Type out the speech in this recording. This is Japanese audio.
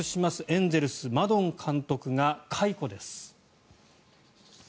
エンゼルス、マドン監督が解雇です。